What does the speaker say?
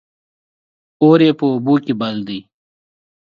اور يې په اوبو کې بل دى